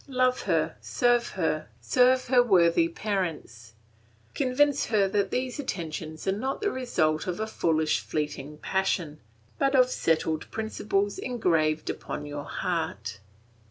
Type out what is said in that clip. Love her, serve her, serve her worthy parents. Convince her that these attentions are not the result of a foolish fleeting passion, but of settled principles engraved upon your heart.